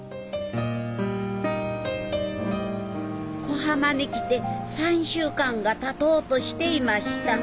小浜に来て３週間がたとうとしていました。